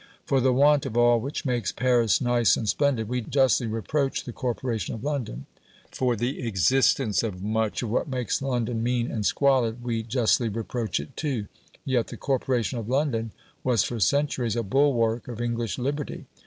For the want of all which makes Paris nice and splendid we justly reproach the Corporation of London; for the existence of much of what makes London mean and squalid we justly reproach it too. Yet the Corporation of London was for centuries a bulwark of English liberty.